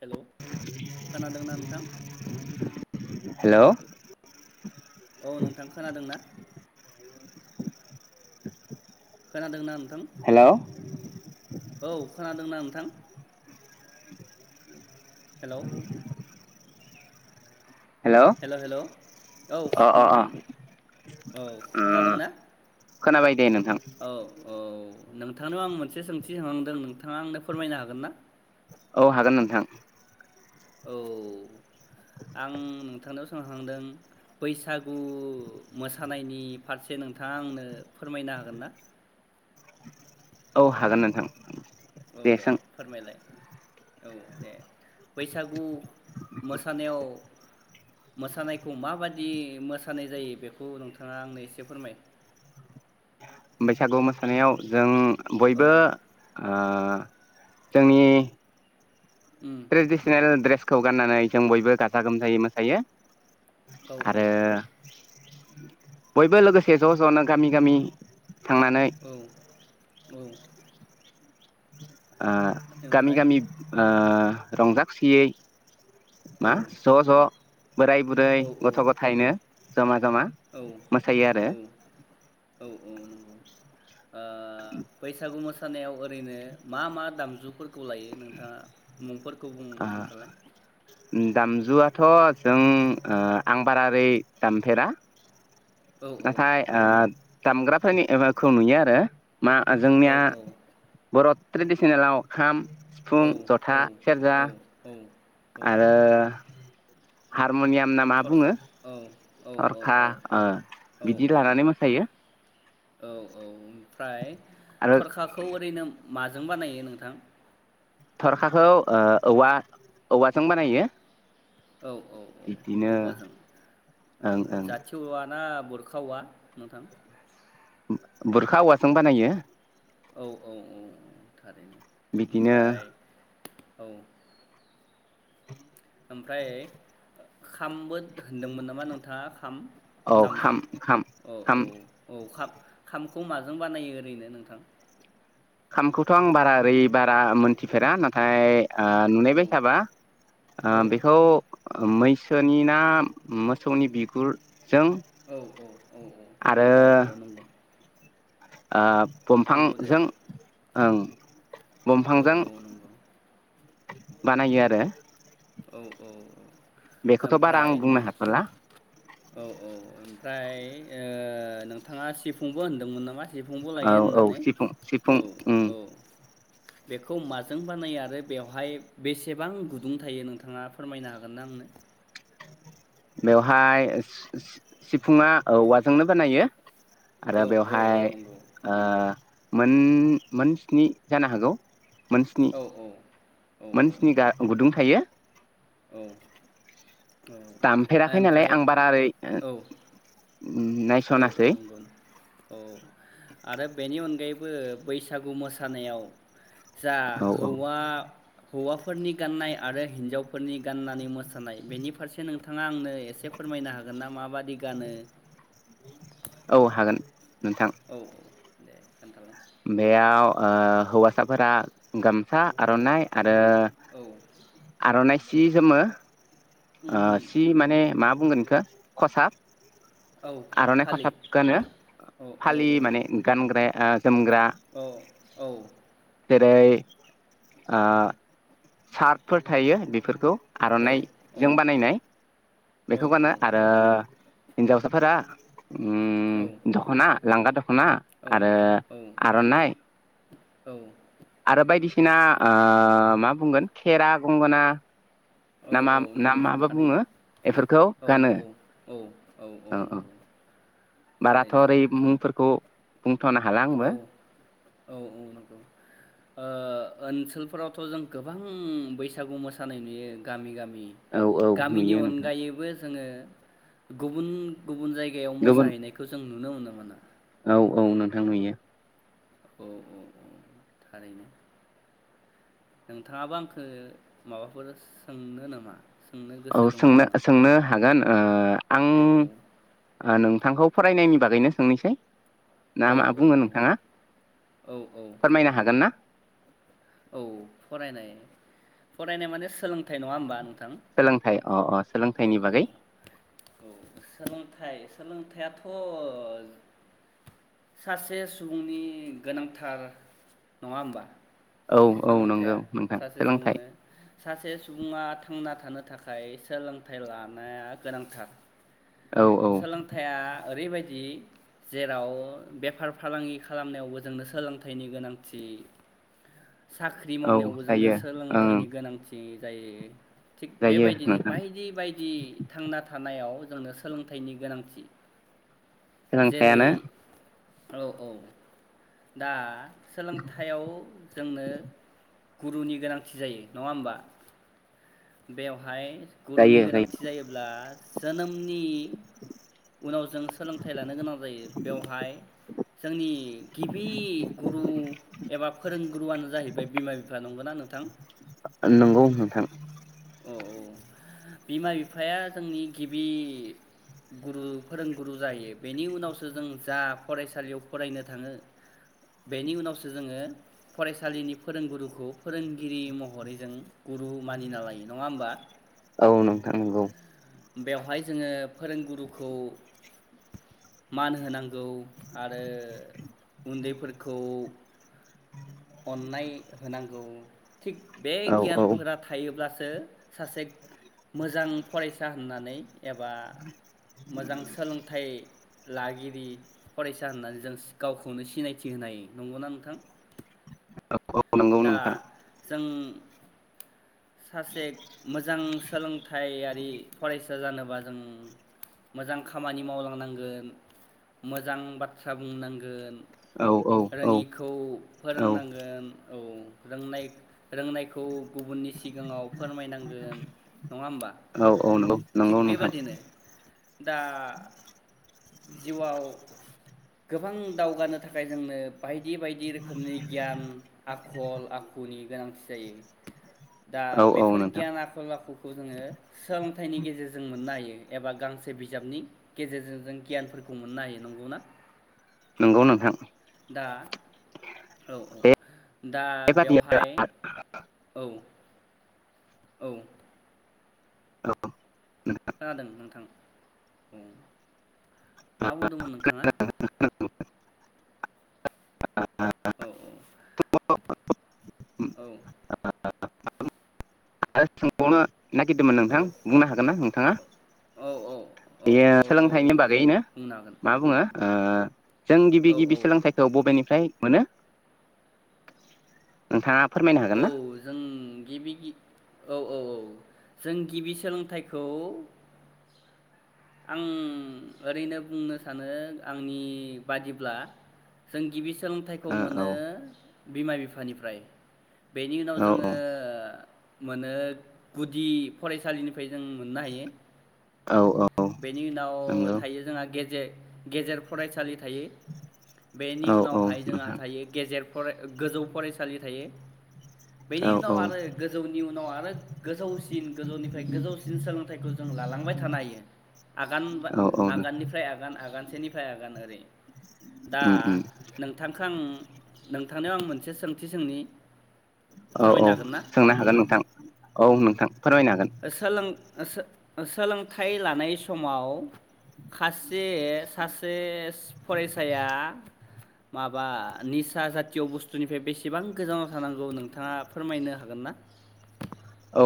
Hello खोनादोंना नोंथां? Hello अ नोंथां खोनादों ना? खोनादों नान हेलौ औ खोनादोंना नोंथां? हेलौ अ हेल' हेल' औ अ अ नोंथां औ खोनादोंना? खोनाबायदे नों औ औ। नोंथांनाव आं मोनसे सोंथि [unintelligible] दों नोंथाङा आंनो फोरमायनो हागोन ना? औ हागोन नोंथां। औ आं नोंथांनाव सों [unintelligible] दों बैसागु मोसानायनि फारसे नोंथाङा आंनो फोरमायनो हागोन ना? औ हागोन नोंथां। औ दे फोरमायलाय। औ दे बैसागु मोसानायाव मोसानायखौ माबादि मोसानाय जायो। बेखौ नोंथाङा आंनो एसे फोरमाय। बैसागु मोसानायाव जों औ बयबो ओ जोंनि उम ट्रेडिसनेल द्रेस खौ गाननानै जों बयबो गाजा गोमजायै मोसायो। औ औ आरो बयबो लोगोसे ज' ज'नो गामि गामि थांनानै औ [unintelligible] आ गामि ओमफ्राय गामि ओ रंजाखुसियै मा औ ज' ज' बोराय बुरै औ गथ' गथायनो जमा जमा औ मोसायो आरो। उ ओ बैसागु मोसानायाव ओरैनो मा मा दामजुफोरखौ लायो नोंथाङा मुंफोर खोबुं खोन्थालाय। उम दामजुआथ' जों ओ आं बारारै दामफेरा औ औ नाथाय ओ दामग्राफोरनिखौ नुयो आरो मा औ जोंनिया बर' ट्रेन्सलेसन आव खाम सिफुं औ जथा सेरजा औ औ [inaudible] आरो हा हारिमुनियाम ना मा थरखा बुङो? औ औ औ थरखा औ ओ औ बिदि लानानै औ मोसायो औ औ ओमफ्राय। आरो थरखाखौ ओरैनो माजों बानायो नोंथां थरखाखौ ओ औवा औवाजों बानायो। औ औ औ बिदिनो औवाजों औ ओं ओं जाथि औवा ना बुरखा औवा नोंथां। बुरखा औवासों बानायो। औ औ औ औ थारैनो बिदिनो ओमफ्राय औ [inaudible] ओमफ्राय खामबो होनदोंमोन नामा नोंथाङा खाम औ दामजु खाम खाम औ खाम औ औ खाब खामखौ माजों बानायो ओरैनो नोंथां? खामखौथ' आं बारा ओरै बारा मोनथिफेरा नाथाय ओ औ नुनायबाय साबा ओ औ बेखौ मैसोनि ना मोसौनि बिगुर औ औ औ आरो औ औ औ नंगौ ओ नंगौ दे दंफांजों ओं औ दंफांजों औ नंगौ बानायो आरो औ औ औ बेखौथ' बारा आं ओमफ्राय बुंनो हाथ'ला औ औ ओमफ्राय ओ नोंथाङा सिफुंबो होनदोंमोन नामा सिफुंखौ औ लायो औ होननानै सिफुं सिफुं औ उम औ बेखौ माजों बानायो आरो बेवहाय बेसेबां गुदुं थायो नों थाङा फोरमायनो हागोन ना आंनो बेवहाय सि-सि-सिफुंङा औवाजोंनो बानायो। आरो औ औ औ बेवहाय नंगौ ओ मोन मोन स्नि जानो हागौ मोन स्निनि औ औ औ मोन स्नि गा गुदुं थायो। औ दामफेराखै नालाय ओमफ्राय आं बारा ओरै औ औ औ नायसनासै नंगौ औ आरो बेनि अनगायैबो बैसागु मोसानायाव जा औ औ हौवा हौवाफोरनि गाननाय आरो हिन्जावफोरनि गाननानै मोसानाय बेनि फारसे नोंथाङा आंनो एसे फोरमायनो हागोन ना माबादि गानो। औ हागोन नोंथां औ औ दे खोन्थालाय बेयाव हौवासाफोरा गाम सा औ आर'नाय आरो आर'नाय जि जोमो उम ओ उम सि माने मा बुंगोन बेखौ खसाब औ आर'नाइ फालि खसाब गानो औ फालि औ माने गानग्राया जोमग्रा औ जेरै ओ सार्कफोर थायो बेफोरखौ औ औ आर'नाइजों बानायनाय बेखौ गानो आरो हिन्जावसाफोरा अम दख'ना लांगा दख'ना आरो औ आर'नाइ औ आरो बायदिसिना ओ मा बुंगोन खेरा गंगोना औ ना मा औ ना नंगौ माबा थारैनो बुङो बेफोरखौ औ गानो। नंगौ औ औ औ नंगौ बाराथ' थारैनो ओरै मुंफोरखौ [unintelligible] हाला आंबो औ औ-औ नंगौ ओ ओन सोलफोरावथ' जों गोबां बैसागु मोसानाय नुयो गामि- गामि औ औ गामिनि नुयो नोंथां अनगायैबो जोंङो गुबुन गुबुन जायगायाव गुबुन मोसाहैनायखौ जों नुनो मोनो मोनो औ औ नोंथां नुयो औ औ-औ थारैनो नोंथांङाबो आंखौ माबाफोर सोंनो नामा सोंनो औ गोसो दङ सोंनो नामा सोंनो हागोन ओ आं औ ओ नोंथांखौ फरायनायनि बागैनो सोंनोसै ना औ मा बुंङो औ नोंथांङा औ औ फोरमायनो हागोन ना? औ फरायनाय फरायनाय माने सोलोंथाय नङा होम्बा नों थां सोलोंथाइ अ अ औ सोलोंथाइनि बागै औ-औ सोलोंथाइ सोलोंथाया थ' सासे सुबुंनि गोनांथार नंङा होम्बा औ औ नंगौ सोलोंथाया नोंथां सासे सोलोंथाइ सुबुंनो सासे सुबुंङा थांना थानो थाखाय थाखाय सोलोंथाइ लानाया गोनांथार। औ औ सोलोंथाइया ओरैबाय दि जेराव बेफार फालांगि खालामनायावबो जोंनो सोलोंथाइनि गोनांथि साख्रि औ मावनायावबो जोंनो जायो ओं सोलोंथाइनि गोनांथि। जाय थिग जायो बेबायदिनो नोंथां बायदि बायदि थांना थानायाव जोंनो सोलोंथाइनि गोनांथि जेरै सोलोंथायानो औ औ दा सोलोंथायाव जोंनो गुरुनि गोनांथि जायो नङा होम्बा बेवहाय गुरुनि जायो जायो गोनांथि जायोब्ला जोनोमनि उनाव जों सोलोंथाइ लानो गोनां जायो बेवहाय जोंनि गिबि गुरु एबा फोरों गुरुआनो जाहैबाय बिमा बिफा नंगौना नोंथां नंगौ नोंथां औ औ बिमा बिफाया जोंनि गिबि गुरु फोरोंगुरु जायो बेनि उनावसो जों जा फरायसालियाव फरायनो थांङो बेनि उनावसो जोंङो फरायसालिनि फोरोंगुरुखौ फोरोंगिरि महरै जों गुरु मानिना लायो। नङा होम्बा। औ नोंथां नंगौ बेवहाय जोङो फोरोंगुरुखौ मान होनांगौ आरो उन्दैफोरखौ अननाय होनां‌ गौ थिग बे औ गियानफोरा थायोब्लासो सासे मोजां फरायसा होननानै एबा मोजां सोलोंथाइ लागिरि फरायसा होननानै जों गावखौनो सिनायथि होनाय नंगौना नोंथां औ औ नंगौ दा नोंथां जों सासे मोजां सोलोंथायारि फरायसा जानोबा जों मोजां खामानि मावलांनांगोन मोजां बाथ्रा बुंनांगोन औ औ औ खौ औ फोरोंनांगोन औ रोंनाय रोंनायखौ गुबुननि सिगाङाव फोरमायनांगोन नङा होमबा औ औ नंगौ थिग नंगौ नोंथां बेबादिनो दा जिउआव गोबां दावगानो थाखाय जोंनो बायदि बायदि रोखोमनि गियान आखल आखुनि गोनांथि जायो दा औ औ बेफोर नोंथां गियान आखल आखुखौ जोङो सोलोंथाइनि गेजेरजों मोननो हायो एबा गांसे बिजाबनि गेजेरजों जों गियानफोरखौ मोननो हायो नंगौना नंगौ नोंथां दा औ औ दा बेबादिनो बेवहाय औ औ खोनादों नोंथां उम मा बुंदोंमोन नोंथाङा आरो औ औ औ [unintelligible] नागिरदोंमोन नोंथां औ बुंनो हागोन ना नोंथाङा? औ औ बेयो औ सोलोंथाइनि औ बागैनो बुंनो हागोन मा बुङो ओ जों गिबि औ गिबि औ सोलोंथाइखौ बबेनिफ्राय मोनो नोंथाङा फोरमायनो हागोन औ ना जों गिबि गि औ औ औ जों गिबि सोलोंथाइखौ आं ओरैनो बुंनो सानो आंनि बादिब्ला जों गिबि सि सोलोंथाइखौ औ औ मोनो बिमा बिफानिफ्राय बेनि उनाव औ जोङो मोनो गुदि फरायसालिनि फाय जों मोननो हायो औ औ बेनि उनाव नंगौ थायो जोंहा गेजे गेजेर फरायसालि थायो बेनि औ औ उनावहाय जोंहा नोंथां थायो गेजेर फराय गोजौ फरायसालि थायो। बेनि औ उनाव औ आरो गोजौनि उनाव आरो गोजौसिन गोजौनिफ्राय गोजौसिन सोलोंथाइखौ जों लालांबाय थानो हायो। आगान बा औ आगाननिफ्राय आगान आगानसेनिफ्राय आगान ओरै दा नोंथांखो आं नों थानायाव आं मोनसे सोंथि सोंनि? औ औ फोरमायनो हागोन ना सोंनो हागोन नोंथाङा नोंथां औ नोंथां फोरमायनो हागोन। ओ सो ओ सोलोंथाइ लानाय सु समाव खासे सासेस फरायसाया माबा निसा जातिय' बुस्थुनिफ्राय बेसेबां गोजानाव थानांगौ नोंथाङा फोरमायनो हागोन ना?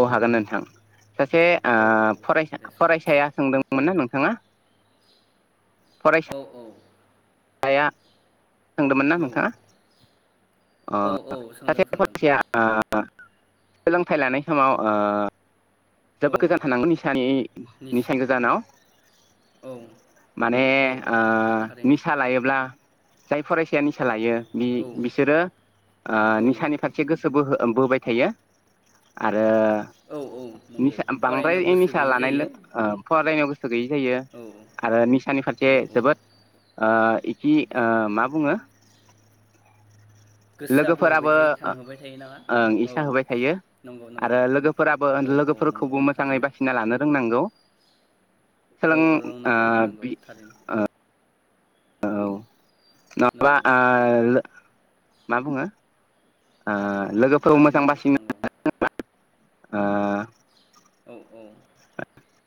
अ हागोन नोंथां। सासे ओ औ औ फरायसा दे सों फरायसाया सोंदोंमोन ना नों थाङा औ औ साया सोंदोंमोन ना औ नोंथाङा अ औ औ सोंदों सासे सोंदों फरायसाया ओ सोलोंथाइ लानाय समाव ओ औ जोबोद गोजान थानांगौ निसानि निस- निसानि गोजानाव औ माने औ औ ओ नंगौ थारैनो निस ब्ला जाय फरायसाया निसा लायो बि औ बिसोरो ओ औ निसानि फारसे गोसोबोहो ओ बोबाय थायो आर ओ औ औ नंगौ निसा फरायनायाव बांद्रायै गोसो निसा गैयि लानायल' जायो ओ फरायनायाव गोसो गैयि जायो औ आरो निसानि फारसे औ औ औ जोबोद ओ इखि ओ मा बुङो? गोसोआ बोहैबाय लोगोफोराबो थायो ओ थांहोबाय थायो नामा ओं औ इसा होबाय थायो नंगौ नंगौ आरो लोगोफोराबो औ औ नंगौ लोगोफोरखौबो मोजाङै थारैनो बासिना लानो रोंनांगौ। औ सोलों औ ओ रोंनांगौ रोंनांगौ बि थारैनो ओ औ माबा नंगौ ओ थारैनो लो मा बुङो? ओ थारैनो लोगोफोरबो थारैनो मोजां नोंथां नंगौ बासिनो [unintelligible] ओ औ औ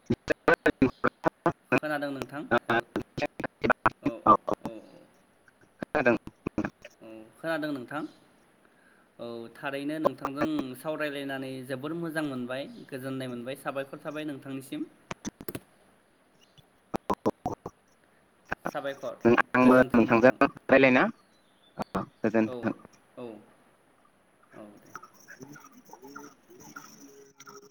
[unintelligible] खोनादों नोंथां हेल औ ओ ओ खोनादों ओ खोनादों नोंथां औ थारैनो नोंथांजों सावरायलायनानै जोबोर मोजां मोनबाय गोजोननाय मोनबाय साबायखर थाबाय नोंथांनिसिम साबायखर आंबो गोजोन्थों नोंथांजों नोंथां रायलायना अ औ गोजोनथों औ औ दे [unintelligible]